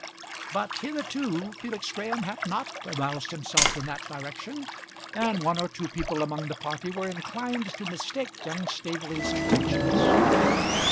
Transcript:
But hitherto Felix Graham had not aroused himself in that direction, and one or two people among the party were inclined to mistake young Staveley's intentions.